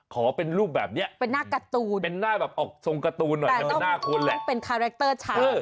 ขอเป็นรูปแบบนี้เป็นหน้าแบบออกทรงการ์ตูนหน่อยแต่เป็นหน้าคนแหละแต่ต้องเป็นคาแรคเตอร์ชาว